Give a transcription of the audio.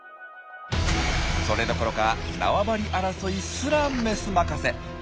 それどころか縄張り争いすらメス任せ。